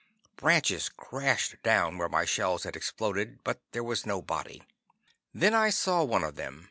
Branches crashed down where my shells had exploded, but there was no body. Then I saw one of them.